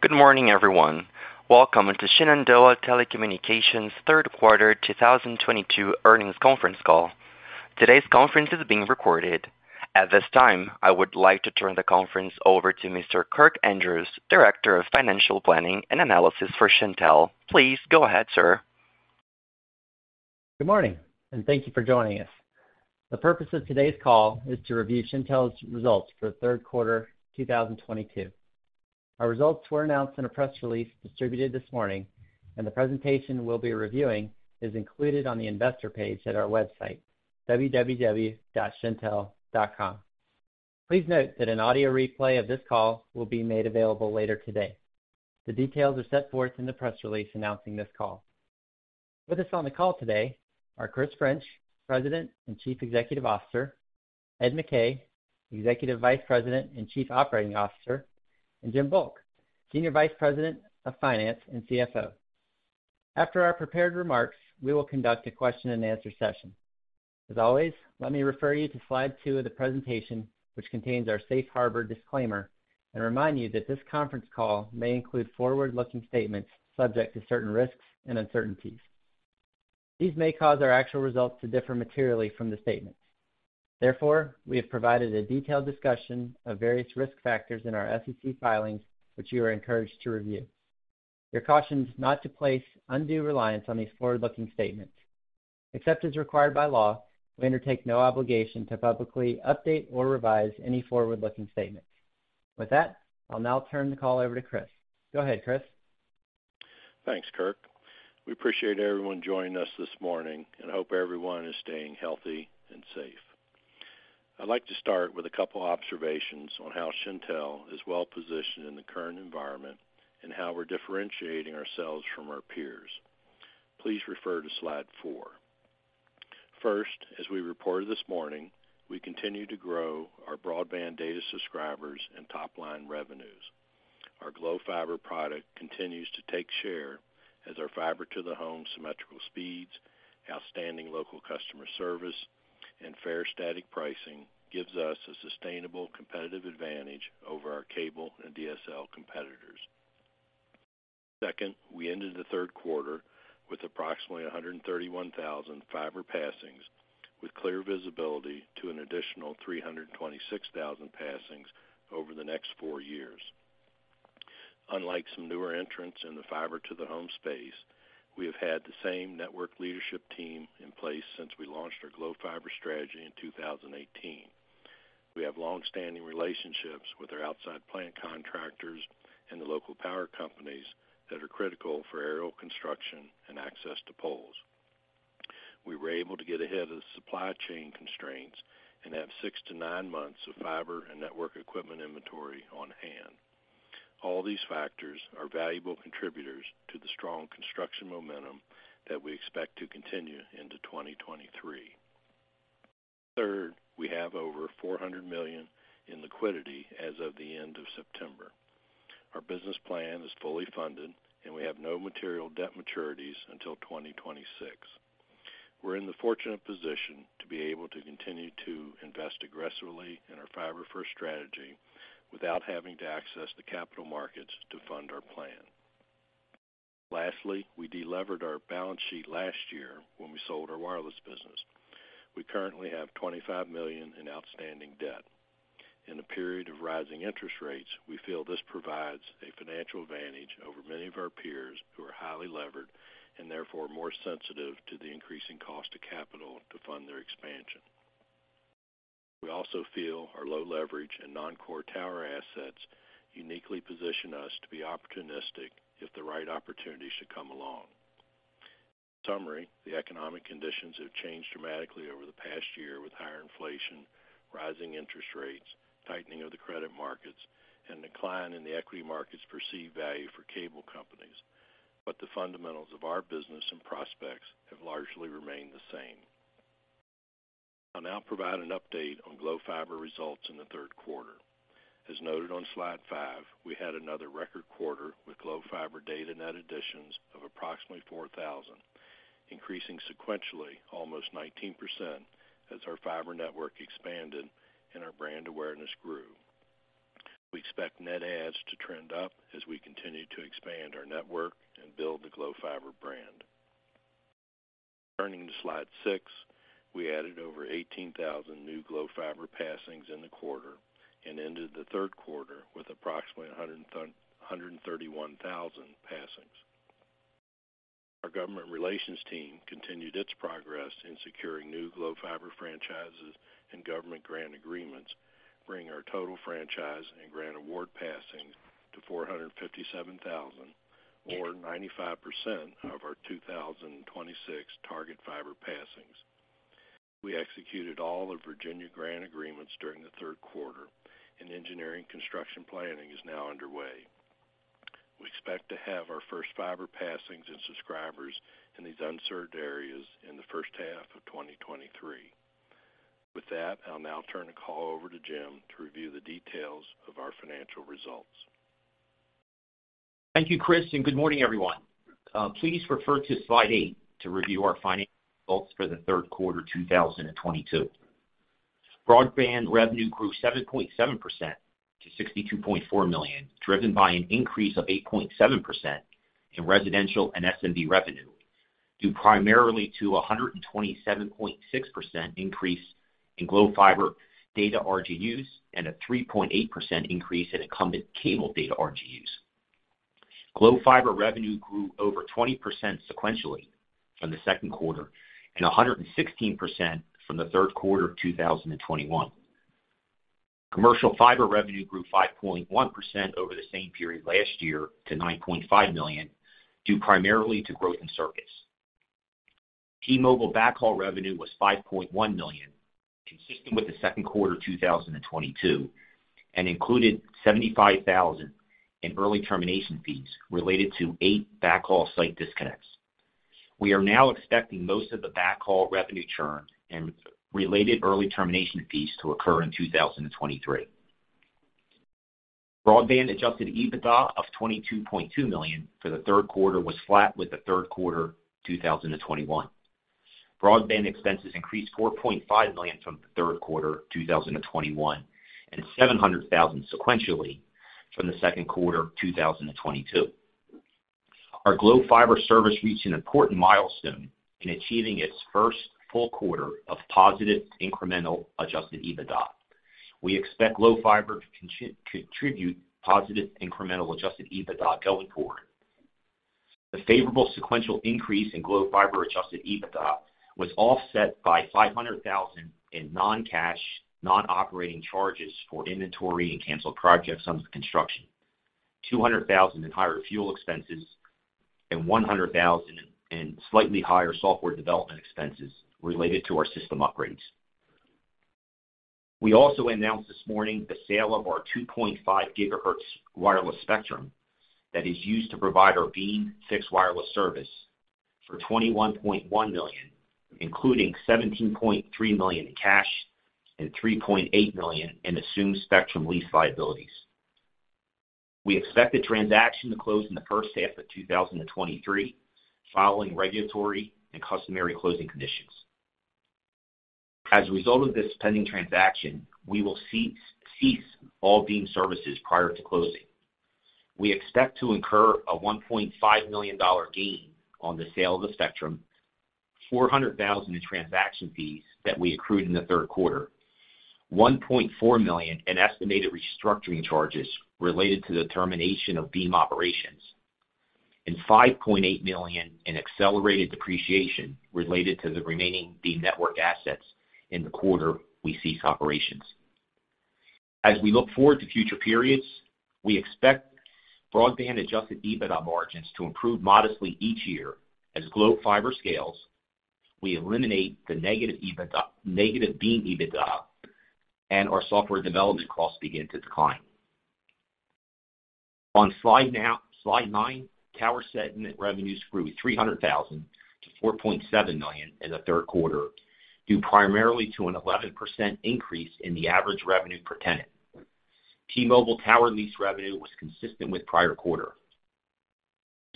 Good morning, everyone. Welcome to Shenandoah Telecommunications third quarter 2022 earnings conference call. Today's conference is being recorded. At this time, I would like to turn the conference over to Mr. Kirk Andrews, Director of Financial Planning and Analysis for Shentel. Please go ahead, sir. Good morning, and thank you for joining us. The purpose of today's call is to review Shentel's results for the third quarter 2022. Our results were announced in a press release distributed this morning, and the presentation we'll be reviewing is included on the investor page at our website, www.shentel.com. Please note that an audio replay of this call will be made available later today. The details are set forth in the press release announcing this call. With us on the call today are Chris French, President and Chief Executive Officer, Ed McKay, Executive Vice President and Chief Operating Officer, and Jim Volk, Senior Vice President of Finance and CFO. After our prepared remarks, we will conduct a question-and-answer session. As always, let me refer you to slide two of the presentation, which contains our safe harbor disclaimer, and remind you that this conference call may include forward-looking statements subject to certain risks and uncertainties. These may cause our actual results to differ materially from the statements. Therefore, we have provided a detailed discussion of various risk factors in our SEC filings, which you are encouraged to review. You're cautioned not to place undue reliance on these forward-looking statements. Except as required by law, we undertake no obligation to publicly update or revise any forward-looking statement. With that, I'll now turn the call over to Chris. Go ahead, Chris. Thanks, Kirk. We appreciate everyone joining us this morning and hope everyone is staying healthy and safe. I'd like to start with a couple observations on how Shentel is well positioned in the current environment and how we're differentiating ourselves from our peers. Please refer to slide four. First, as we reported this morning, we continue to grow our broadband data subscribers and top-line revenues. Our Glo Fiber product continues to take share as our Fiber to the Home symmetrical speeds, outstanding local customer service, and fair static pricing gives us a sustainable competitive advantage over our cable and DSL competitors. Second, we ended the third quarter with approximately 131,000 fiber passings, with clear visibility to an additional 326,000 passings over the next four years. Unlike some newer entrants in the Fiber to the Home space, we have had the same network leadership team in place since we launched our Glo Fiber strategy in 2018. We have long-standing relationships with our outside plant contractors and the local power companies that are critical for aerial construction and access to poles. We were able to get ahead of the supply chain constraints and have six-nine months of fiber and network equipment inventory on hand. All these factors are valuable contributors to the strong construction momentum that we expect to continue into 2023. Third, we have over $400 million in liquidity as of the end of September. Our business plan is fully funded, and we have no material debt maturities until 2026. We're in the fortunate position to be able to continue to invest aggressively in our fiber-first strategy without having to access the capital markets to fund our plan. Lastly, we delevered our balance sheet last year when we sold our wireless business. We currently have $25 million in outstanding debt. In a period of rising interest rates, we feel this provides a financial advantage over many of our peers who are highly levered and therefore more sensitive to the increasing cost of capital to fund their expansion. We also feel our low leverage and non-core tower assets uniquely position us to be opportunistic if the right opportunity should come along. In summary, the economic conditions have changed dramatically over the past year with higher inflation, rising interest rates, tightening of the credit markets, and decline in the equity market's perceived value for cable companies, but the fundamentals of our business and prospects have largely remained the same. I'll now provide an update on Glo Fiber results in the third quarter. As noted on slide five, we had another record quarter with Glo Fiber data net additions of approximately 4,000, increasing sequentially almost 19% as our fiber network expanded and our brand awareness grew. We expect net adds to trend up as we continue to expand our network and build the Glo Fiber brand. Turning to slide six, we added over 18,000 new Glo Fiber passings in the quarter and ended the third quarter with approximately 131,000 passings. Our government relations team continued its progress in securing new Glo Fiber franchises and government grant agreements, bringing our total franchise and grant award passings to 457,000 or 95% of our 2026 target fiber passings. We executed all the Virginia grant agreements during the third quarter, and engineering construction planning is now underway. We expect to have our first fiber passings and subscribers in these unserved areas in the first half of 2023. With that, I'll now turn the call over to Jim to review the details of our financial results. Thank you, Chris, and good morning, everyone. Please refer to slide eight to review our financial results for the third quarter 2022. Broadband revenue grew 7.7% to $62.4 million, driven by an increase of 8.7% in residential and SMB revenue, due primarily to a 127.6% increase in Glo Fiber data RGUs and a 3.8% increase in incumbent cable data RGUs. Glo Fiber revenue grew over 20% sequentially from the second quarter and 116% from the third quarter of 2021. Commercial fiber revenue grew 5.1% over the same period last year to $9.5 million, due primarily to growth in service. T-Mobile backhaul revenue was $5.1 million, consistent with the second quarter 2022, and included $75,000 in early termination fees related to eight backhaul site disconnects. We are now expecting most of the backhaul revenue churn and related early termination fees to occur in 2023. Broadband adjusted EBITDA of $22.2 million for the third quarter was flat with the third quarter 2021. Broadband expenses increased $4.5 million from the third quarter of 2021, and $700,000 sequentially from the second quarter of 2022. Our Glo Fiber service reached an important milestone in achieving its first full quarter of positive incremental adjusted EBITDA. We expect Glo Fiber to contribute positive incremental adjusted EBITDA going forward. The favorable sequential increase in Glo Fiber adjusted EBITDA was offset by $500,000 in non-cash, non-operating charges for inventory and canceled projects under construction, $200,000 in higher fuel expenses, and $100,000 in slightly higher software development expenses related to our system upgrades. We also announced this morning the sale of our 2.5 GHz wireless spectrum that is used to provide our Beam fixed wireless service for $21.1 million, including $17.3 million in cash and $3.8 million in assumed spectrum lease liabilities. We expect the transaction to close in the first half of 2023, following regulatory and customary closing conditions. As a result of this pending transaction, we will cease all Beam services prior to closing. We expect to incur a $1.5 million gain on the sale of the spectrum, $400,000 in transaction fees that we accrued in the third quarter, $1.4 million in estimated restructuring charges related to the termination of Beam operations, and $5.8 million in accelerated depreciation related to the remaining Beam network assets in the quarter we cease operations. As we look forward to future periods, we expect broadband adjusted EBITDA margins to improve modestly each year as Glo Fiber scales, we eliminate the negative EBITDA, negative Beam EBITDA, and our software development costs begin to decline. On slide nine, tower segment revenues grew $300,000 to $4.7 million in the third quarter, due primarily to an 11% increase in the average revenue per tenant. T-Mobile tower lease revenue was consistent with prior quarter.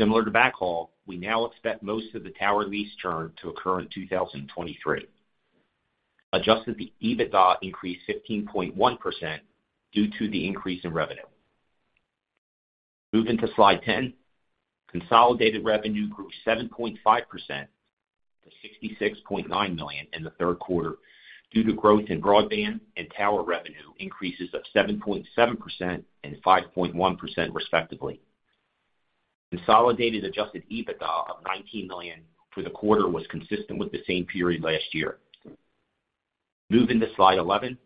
Similar to backhaul, we now expect most of the tower lease churn to occur in 2023. Adjusted EBITDA increased 15.1% due to the increase in revenue. Moving to slide 10. Consolidated revenue grew 7.5% to $66.9 million in the third quarter due to growth in broadband and tower revenue increases of 7.7% and 5.1% respectively. Consolidated adjusted EBITDA of $19 million for the quarter was consistent with the same period last year. Moving to slide 11.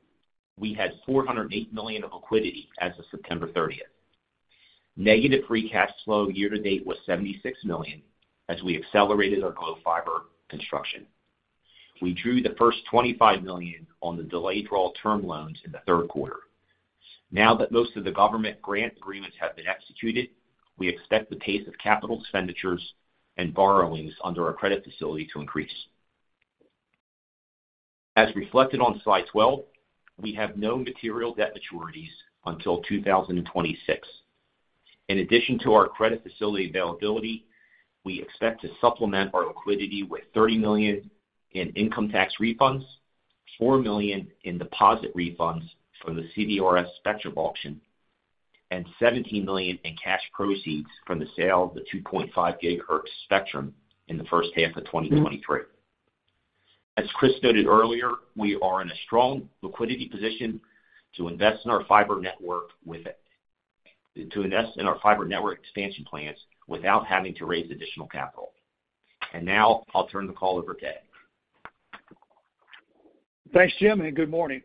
We had $408 million of liquidity as of September 30th. Negative free cash flow year to date was $76 million as we accelerated our Glo Fiber construction. We drew the first $25 million on the delayed draw term loans in the third quarter. Now that most of the government grant agreements have been executed, we expect the pace of capital expenditures and borrowings under our credit facility to increase. As reflected on slide 12, we have no material debt maturities until 2026. In addition to our credit facility availability, we expect to supplement our liquidity with $30 million in income tax refunds, $4 million in deposit refunds from the CBRS spectrum auction, and $17 million in cash proceeds from the sale of the 2.5 GHz spectrum in the first half of 2023. As Chris noted earlier, we are in a strong liquidity position to invest in our fiber network expansion plans without having to raise additional capital. Now I'll turn the call over to Ed. Thanks, Jim, and good morning.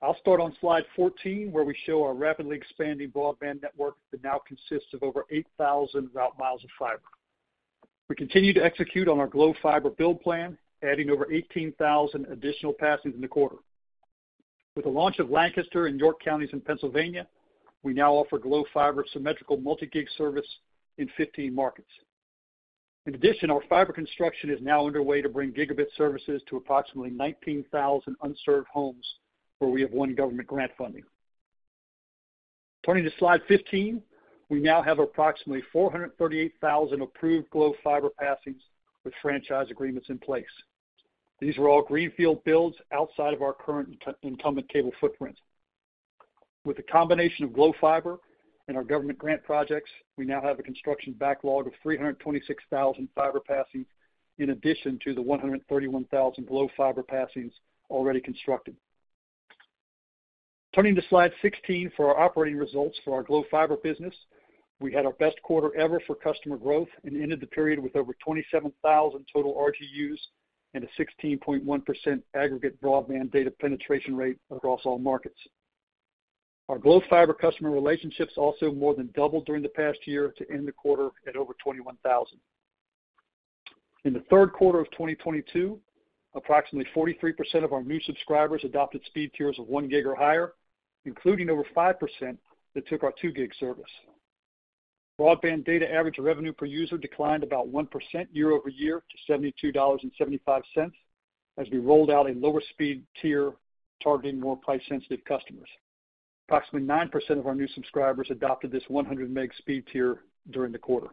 I'll start on slide 14, where we show our rapidly expanding broadband network that now consists of over 8,000 route miles of fiber. We continue to execute on our Glo Fiber build plan, adding over 18,000 additional passings in the quarter. With the launch of Lancaster and York Counties in Pennsylvania, we now offer Glo Fiber symmetrical multi-gig service in 15 markets. In addition, our fiber construction is now underway to bring gigabit services to approximately 19,000 unserved homes where we have won government grant funding. Turning to slide 15, we now have approximately 438,000 approved Glo Fiber passings with franchise agreements in place. These are all greenfield builds outside of our current incumbent cable footprint. With the combination of Glo Fiber and our government grant projects, we now have a construction backlog of 326,000 fiber passings in addition to the 131,000 Glo Fiber passings already constructed. Turning to slide 16 for our operating results for our Glo Fiber business. We had our best quarter ever for customer growth and ended the period with over 27,000 total RGUs and a 16.1% aggregate broadband data penetration rate across all markets. Our Glo Fiber customer relationships also more than doubled during the past year to end the quarter at over 21,000. In the third quarter of 2022, approximately 43% of our new subscribers adopted speed tiers of 1 Gbps or higher, including over 5% that took our 2 Gbps service. Broadband data average revenue per user declined about 1% year-over-year to $72.75 as we rolled out a lower speed tier targeting more price sensitive customers. Approximately 9% of our new subscribers adopted this 100 Mbps speed tier during the quarter.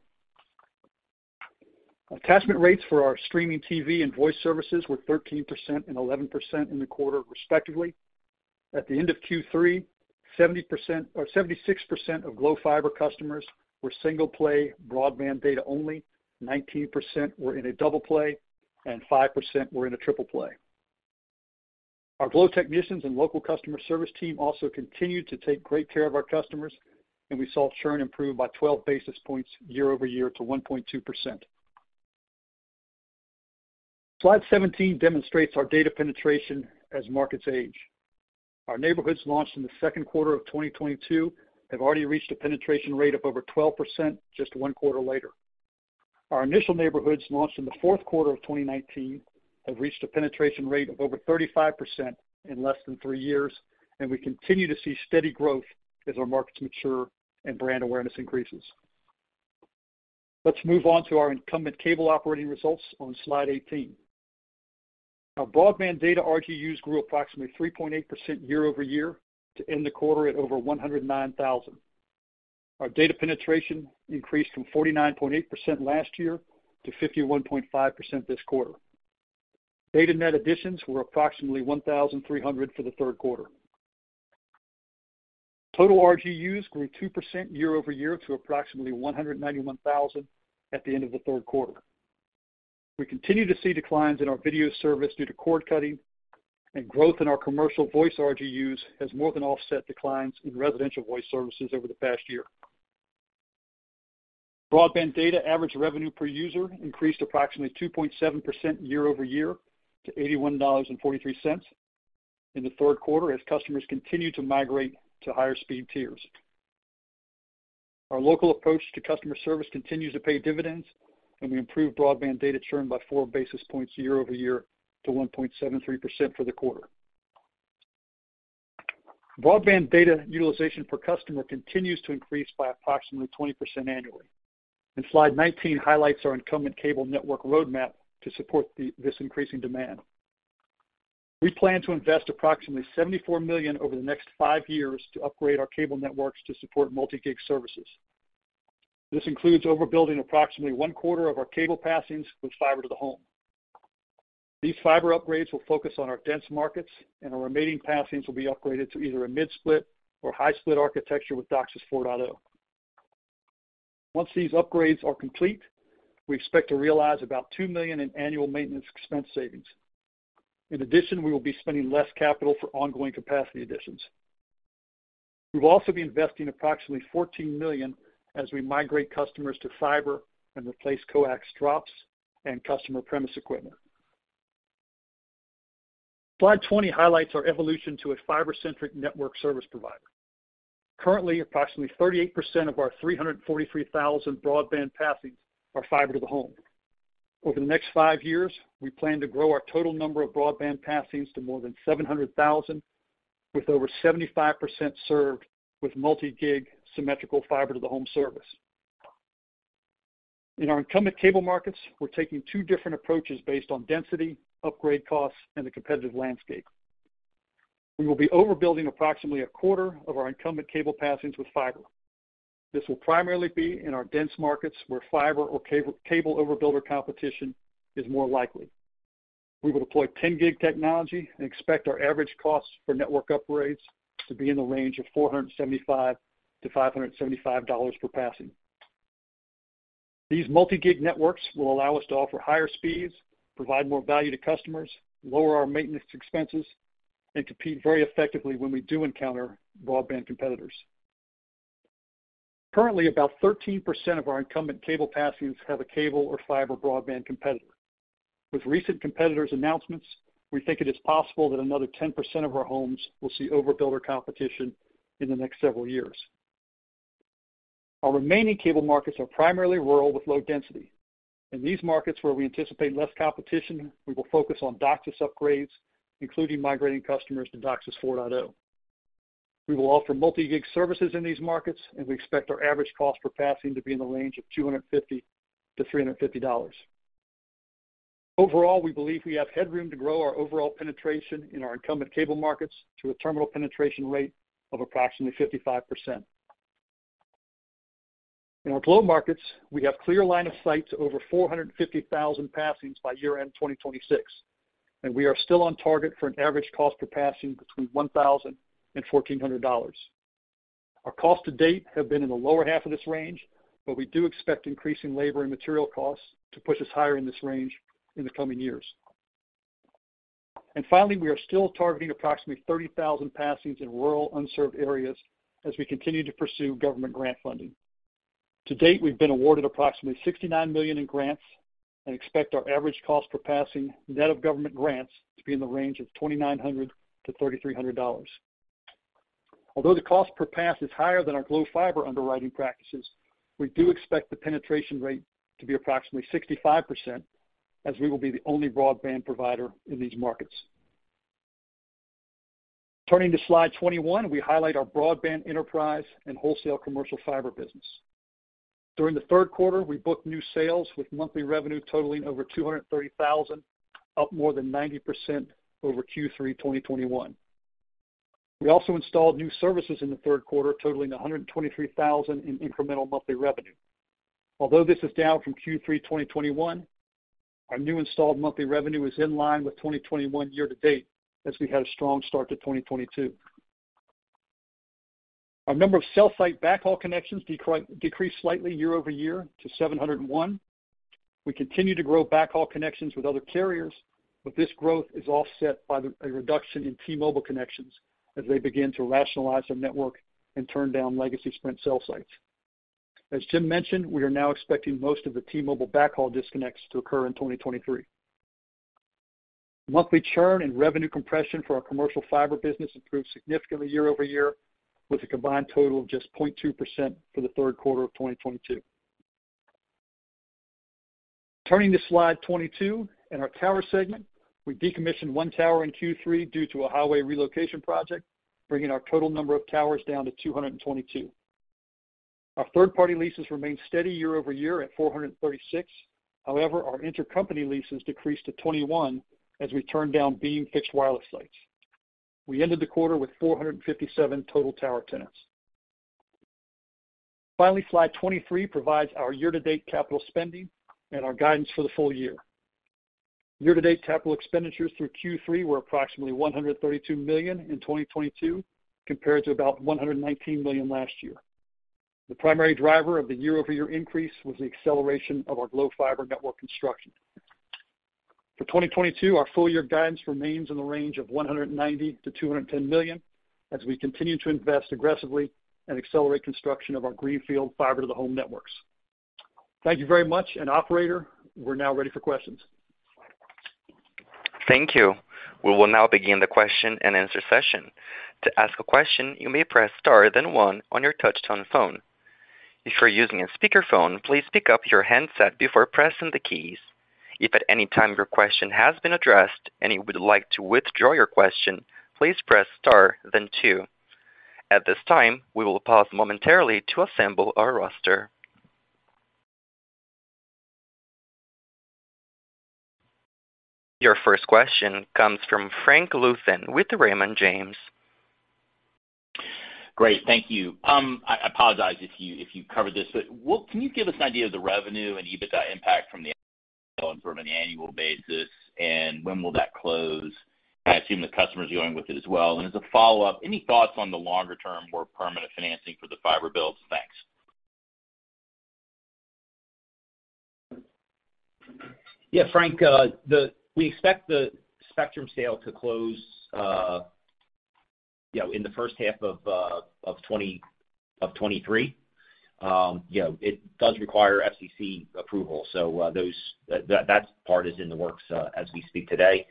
Attachment rates for our streaming TV and voice services were 13% and 11% in the quarter, respectively. At the end of Q3, 70% or 76% of Glo Fiber customers were single play broadband data only, 19% were in a double play, and 5% were in a triple play. Our Glo technicians and local customer service team also continued to take great care of our customers, and we saw churn improve by 12 basis points year-over-year to 1.2%. Slide 17 demonstrates our data penetration as markets age. Our neighborhoods launched in the second quarter of 2022 have already reached a penetration rate of over 12% just one quarter later. Our initial neighborhoods launched in the fourth quarter of 2019 have reached a penetration rate of over 35% in less than three years, and we continue to see steady growth as our markets mature and brand awareness increases. Let's move on to our incumbent cable operating results on slide 18. Our broadband data RGUs grew approximately 3.8% year-over-year to end the quarter at over 109,000. Our data penetration increased from 49.8% last year to 51.5% this quarter. Data net additions were approximately 1,300 RGUs for the third quarter. Total RGUs grew 2% year-over-year to approximately 191,000 at the end of the third quarter. We continue to see declines in our video service due to cord cutting and growth in our commercial voice RGUs has more than offset declines in residential voice services over the past year. Broadband data average revenue per user increased approximately 2.7% year-over-year to $81.43 in the third quarter as customers continue to migrate to higher speed tiers. Our local approach to customer service continues to pay dividends, and we improved broadband data churn by 4 basis points year-over-year to 1.73% for the quarter. Broadband data utilization per customer continues to increase by approximately 20% annually. Slide 19 highlights our incumbent cable network roadmap to support this increasing demand. We plan to invest approximately $74 million over the next five years to upgrade our cable networks to support multi-gig services. This includes overbuilding approximately one quarter of our cable passings with fiber to the home. These fiber upgrades will focus on our dense markets, and our remaining passings will be upgraded to either a mid-split or high-split architecture with DOCSIS 4.0. Once these upgrades are complete, we expect to realize about $2 million in annual maintenance expense savings. In addition, we will be spending less capital for ongoing capacity additions. We've also been investing approximately $14 million as we migrate customers to fiber and replace coax drops and customer premises equipment. Slide 20 highlights our evolution to a fiber-centric network service provider. Currently, approximately 38% of our 343,000 broadband passings are fiber to the home. Over the next five years, we plan to grow our total number of broadband passings to more than 700,000, with over 75% served with multi-gig symmetrical Fiber to the Home service. In our incumbent cable markets, we're taking two different approaches based on density, upgrade costs, and the competitive landscape. We will be overbuilding approximately a quarter of our incumbent cable passings with fiber. This will primarily be in our dense markets where fiber or cable overbuilder competition is more likely. We will deploy 10-Gbps technology and expect our average cost for network upgrades to be in the range of $475-$575 per passing. These multi-gig networks will allow us to offer higher speeds, provide more value to customers, lower our maintenance expenses, and compete very effectively when we do encounter broadband competitors. Currently, about 13% of our incumbent cable passings have a cable or fiber broadband competitor. With recent competitors' announcements, we think it is possible that another 10% of our homes will see overbuilder competition in the next several years. Our remaining cable markets are primarily rural with low density. In these markets where we anticipate less competition, we will focus on DOCSIS upgrades, including migrating customers to DOCSIS 4.0. We will offer multi-gig services in these markets, and we expect our average cost per passing to be in the range of $250-$350. Overall, we believe we have headroom to grow our overall penetration in our incumbent cable markets to a terminal penetration rate of approximately 55%. In our Glo markets, we have clear line of sight to over 450,000 passings by year-end 2026, and we are still on target for an average cost per passing between $1,000 and $1,400. Our cost to date have been in the lower half of this range, but we do expect increasing labor and material costs to push us higher in this range in the coming years. Finally, we are still targeting approximately 30,000 passings in rural unserved areas as we continue to pursue government grant funding. To date, we've been awarded approximately $69 million in grants and expect our average cost per passing, net of government grants, to be in the range of $2,900-$3,300. Although the cost per pass is higher than our Glo Fiber underwriting practices, we do expect the penetration rate to be approximately 65% as we will be the only broadband provider in these markets. Turning to slide 21, we highlight our broadband enterprise and wholesale commercial fiber business. During the third quarter, we booked new sales with monthly revenue totaling over $230,000, up more than 90% over Q3 2021. We also installed new services in the third quarter, totaling $123,000 in incremental monthly revenue. Although this is down from Q3 2021, our new installed monthly revenue is in line with 2021 year to date as we had a strong start to 2022. Our number of cell site backhaul connections decreased slightly year-over-year to 701. We continue to grow backhaul connections with other carriers, but this growth is offset by a reduction in T-Mobile connections as they begin to rationalize their network and turn down legacy Sprint cell sites. As Jim mentioned, we are now expecting most of the T-Mobile backhaul disconnects to occur in 2023. Monthly churn and revenue compression for our commercial fiber business improved significantly year-over-year with a combined total of just 0.2% for the third quarter of 2022. Turning to slide 22, in our tower segment, we decommissioned one tower in Q3 due to a highway relocation project, bringing our total number of towers down to 222. Our third-party leases remained steady year-over-year at 436. However, our intercompany leases decreased to 21 as we turned down Beam fixed wireless sites. We ended the quarter with 457 total tower tenants. Finally, slide 23 provides our year-to-date capital spending and our guidance for the full year. Year-to-date capital expenditures through Q3 were approximately $132 million in 2022, compared to about $119 million last year. The primary driver of the year-over-year increase was the acceleration of our Glo Fiber network construction. For 2022, our full year guidance remains in the range of $190 million-$210 million as we continue to invest aggressively and accelerate construction of our greenfield fiber-to-the-home networks. Thank you very much. Operator, we're now ready for questions. Thank you. We will now begin the question-and-answer session. To ask a question, you may press star then one on your touchtone phone. If you're using a speakerphone, please pick up your handset before pressing the keys. If at any time your question has been addressed and you would like to withdraw your question, please press star then two. At this time, we will pause momentarily to assemble our roster. Your first question comes from Frank Louthan with Raymond James. Great. Thank you. I apologize if you covered this, but can you give us an idea of the revenue and EBITDA impact from the annual basis, and when will that close. And seems that the customers joined with it as well. And as a follow-up, any thoughts on the longer term where permanent financing for the fiber bill is expected. Yeah Frank, we expect the spectrum sales to close in the first half of 2023, and it does require SEC approval, so that part is in the works as we speak today.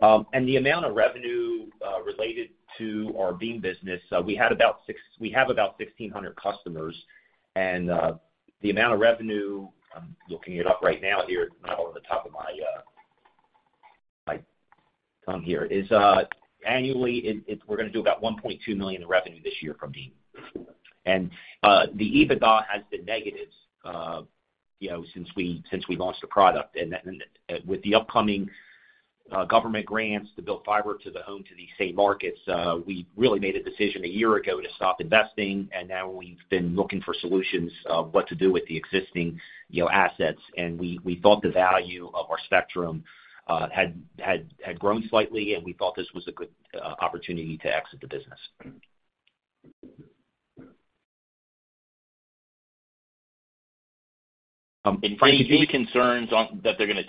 And that amount of revenue related to our Beam business, we about 1600 customers, the amount of revenue, I am looking it up right now here, not at the top my, annually we are going to do $1.2 million of revenue from Beam. And the EBITDA has the negatives since we launched the product. And with the upcoming government grants to build Fiber to the Home to the same markets we really made a decision a year ago to stop investing and now we have been looking for solutions what to do with existing assets and we thought that the value of our spectrum had grown slightly and we thought thiswas a good opportunity to exit the business. Any concerns on what they're gonna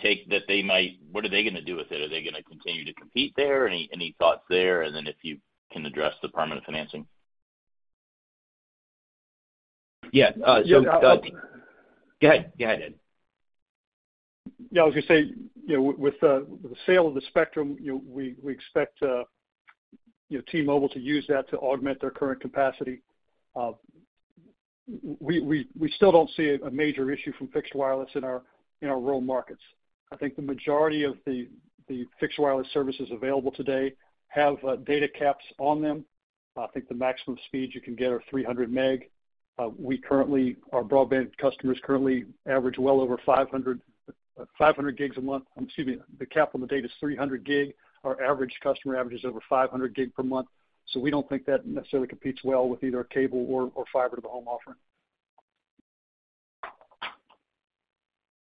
do with it? Are they gonna continue to compete there? Any thoughts there? Then if you can address the permanent financing. Yeah. Go ahead, Ed. Yeah, I was gonna say, you know, with the sale of the spectrum, you know, we expect, you know, T-Mobile to use that to augment their current capacity. We still don't see a major issue from fixed wireless in our rural markets. I think the majority of the fixed wireless services available today have data caps on them. I think the maximum speeds you can get are 300 Mbps Our broadband customers currently average well over 500 GB a month. Excuse me, the cap in the data is 300 GB. Our average customer average is over 500 GB per month. We don't think that necessarily competes well with either cable or fiber-to-the-home offering.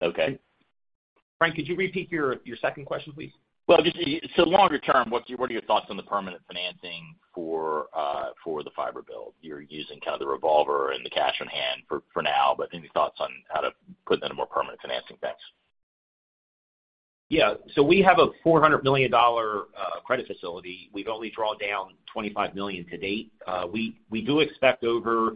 Okay. Frank, could you repeat your second question, please? Well, just so longer term, what are your thoughts on the permanent financing for the fiber build? You're using kind of the revolver and the cash on hand for now, but any thoughts on how to put that in a more permanent financing sense? We have a $400 million credit facility. We've only drawn down $25 million to date. We do expect over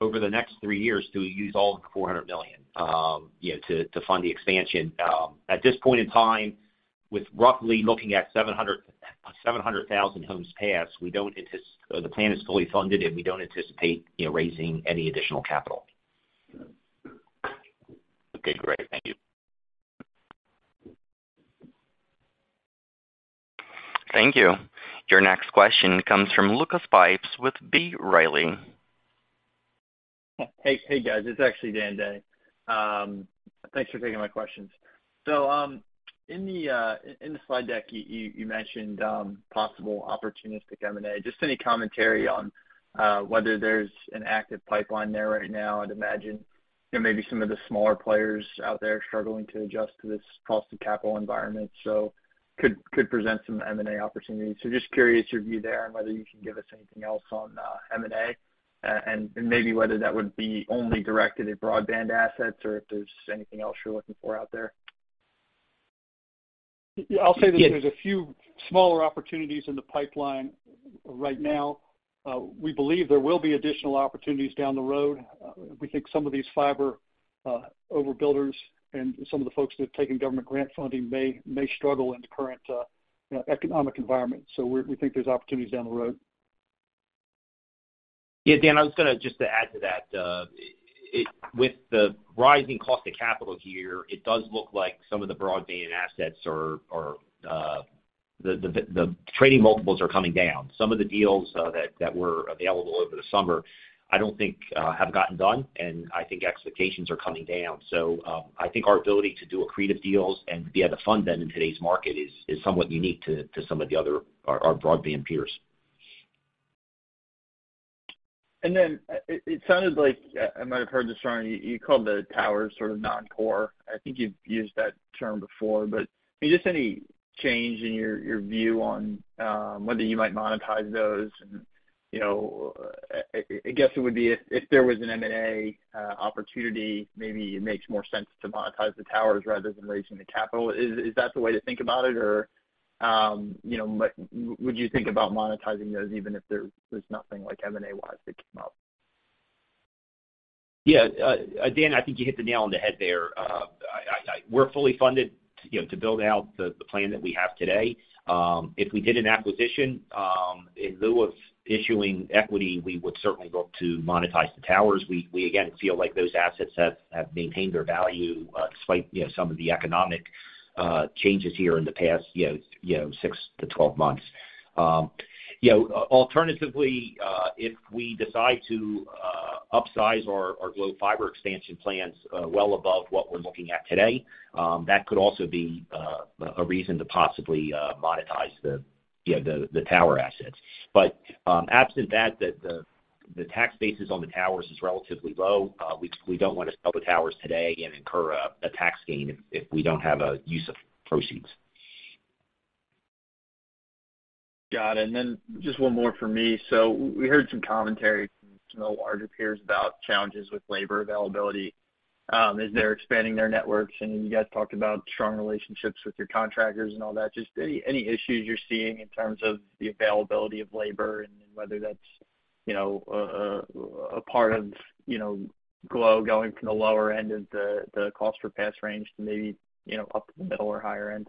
the next three years to use all of the $400 million to fund the expansion. At this point in time, with roughly looking at 700,000 homes passed, the plan is fully funded, and we don't anticipate raising any additional capital. Okay, great. Thank you. Thank you. Your next question comes from Lucas Pipes with B. Riley. Hey, guys. It's actually Dan Day. Thanks for taking my questions. In the slide deck, you mentioned possible opportunistic M&A. Just any commentary on whether there's an active pipeline there right now. I'd imagine, you know, maybe some of the smaller players out there struggling to adjust to this cost of capital environment, so could present some M&A opportunities. Just curious your view there and whether you can give us anything else on M&A, and maybe whether that would be only directed at broadband assets or if there's anything else you're looking for out there. Yeah, I'll say this. There's a few smaller opportunities in the pipeline right now. We believe there will be additional opportunities down the road. We think some of these fiber overbuilders and some of the folks that have taken government grant funding may struggle in the current, you know, economic environment. We think there's opportunities down the road. Yeah, Dan, I was gonna just to add to that. With the rising cost of capital here, it does look like some of the broadband assets are the trading multiples are coming down. Some of the deals that were available over the summer, I don't think have gotten done, and I think expectations are coming down. I think our ability to do accretive deals and be able to fund them in today's market is somewhat unique to some of the other our broadband peers. It sounded like I might have heard this wrong. You called the tower sort of non-core. I think you've used that term before, but just any change in your view on whether you might monetize those? I guess it would be if there was an M&A opportunity, maybe it makes more sense to monetize the towers rather than raising the capital. Is that the way to think about it? Would you think about monetizing those even if there's nothing like M&A-wise that came up? Yeah. Dan, I think you hit the nail on the head there. We're fully funded, you know, to build out the plan that we have today. If we did an acquisition, in lieu of issuing equity, we would certainly look to monetize the towers. We again feel like those assets have maintained their value, despite, you know, some of the economic changes here in the past, you know, six- to12 months. Alternatively, if we decide to upsize our Glo Fiber expansion plans, well above what we're looking at today, that could also be a reason to possibly monetize the tower assets. Absent that, the tax basis on the towers is relatively low. We don't want to sell the towers today and incur a tax gain if we don't have a use of proceeds. Got it. Then just one more for me. We heard some commentary from some of the larger peers about challenges with labor availability, as they're expanding their networks, and you guys talked about strong relationships with your contractors and all that. Just any issues you're seeing in terms of the availability of labor and whether that's, you know, a part of, you know, Glo going from the lower end of the cost per pass range to maybe, you know, up to the middle or higher end?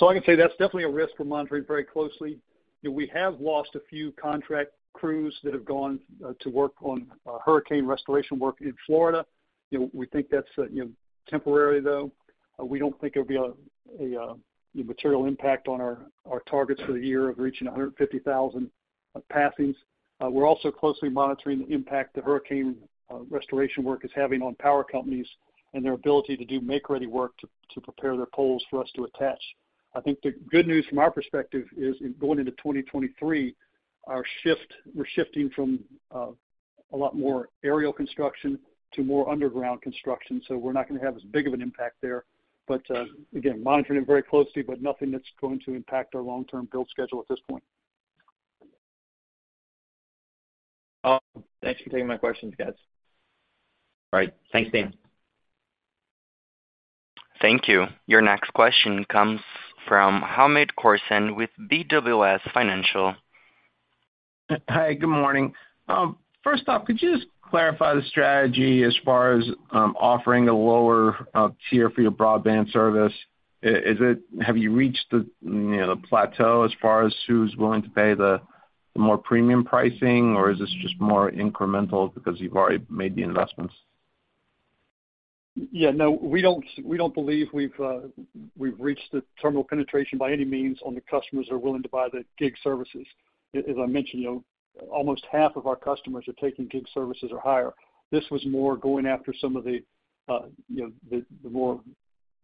I can say that's definitely a risk we're monitoring very closely. You know, we have lost a few contract crews that have gone to work on hurricane restoration work in Florida. You know, we think that's temporary, though. We don't think it'll be a material impact on our targets for the year of reaching 150,000 passings. We're also closely monitoring the impact the hurricane restoration work is having on power companies and their ability to do make-ready work to prepare their poles for us to attach. I think the good news from our perspective is going into 2023, our shift, we're shifting from a lot more aerial construction to more underground construction, so we're not gonna have as big of an impact there. Again, monitoring it very closely, but nothing that's going to impact our long-term build schedule at this point. Thanks for taking my questions, guys. All right. Thanks, Dan. Thank you. Your next question comes from Hamed Khorsand with BWS Financial. Hi, good morning. First off, could you just clarify the strategy as far as offering a lower tier for your broadband service? Have you reached the, you know, the plateau as far as who's willing to pay the more premium pricing, or is this just more incremental because you've already made the investments? Yeah. No, we don't believe we've reached the terminal penetration by any means on the customers who are willing to buy the gig services. As I mentioned, you know, almost half of our customers are taking gig services or higher. This was more going after some of the, you know, the more,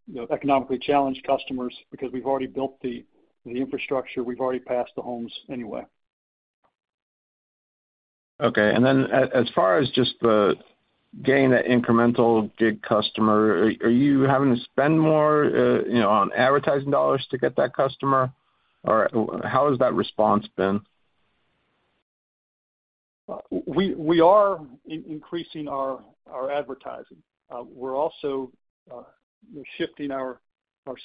you know, economically challenged customers because we've already built the infrastructure, we've already passed the homes anyway. Okay. As far as just the gain at incremental gig customer, are you having to spend more, you know, on advertising dollars to get that customer? Or how has that response been? We are increasing our advertising. We're also you know shifting our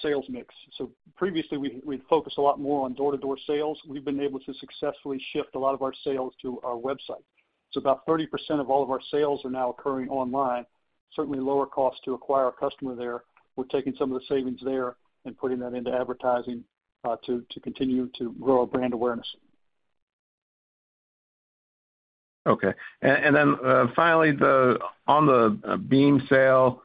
sales mix. Previously we'd focus a lot more on door-to-door sales. We'd been able to successfully shift a lot of our sales to our website. About 30% of all of our sales are now occurring online, certainly lower cost to acquire a customer there. We're taking some of the savings there and putting that into advertising to continue to grow our brand awareness. Okay. Finally, on the Beam sale,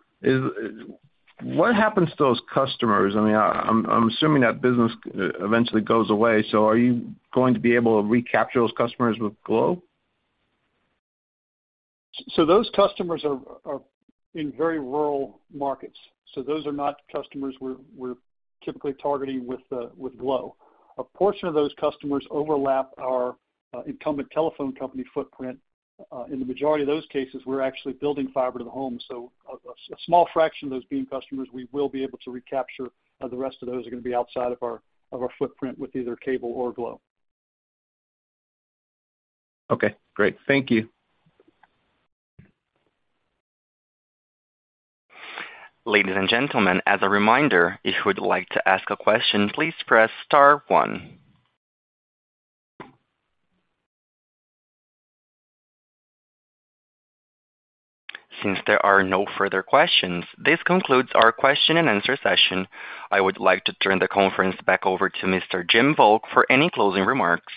what happens to those customers? I mean, I'm assuming that business eventually goes away, so are you going to be able to recapture those customers with Glo? Those customers are in very rural markets. Those are not customers we're typically targeting with Glo. A portion of those customers overlap our incumbent telephone company footprint. In the majority of those cases, we're actually building Fiber to the Home. A small fraction of those Beam customers, we will be able to recapture, the rest of those are gonna be outside of our footprint with either cable or Glo. Okay, great. Thank you. Ladies and gentlemen, as a reminder, if you would like to ask a question, please press star one. Since there are no further questions, this concludes our question and answer session. I would like to turn the conference back over to Mr. Jim Volk for any closing remarks.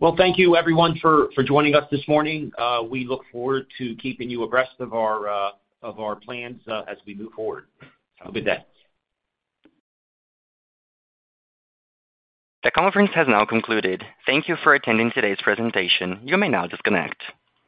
Well, thank you everyone for joining us this morning. We look forward to keeping you abreast of our plans as we move forward. Have a good day. The conference has now concluded. Thank you for attending today's presentation. You may now disconnect.